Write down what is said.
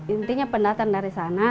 intinya pendatang dari sana